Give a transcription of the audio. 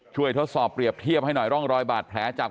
ทดสอบเปรียบเทียบให้หน่อยร่องรอยบาดแผลจาก